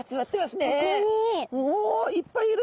おいっぱいいる。